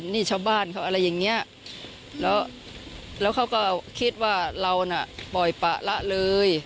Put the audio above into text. นี่ชาวบ้านเขาอะไรอย่างนี้แล้วเขาก็คิดว่าเราน่ะปล่อยปะละเลย